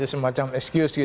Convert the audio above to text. ya itu semacam excuse gitu ya